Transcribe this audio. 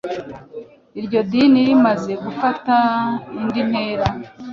iryo dini rimaze gufata indi ntera